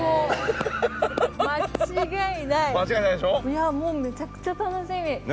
いやもうめちゃくちゃ楽しみ。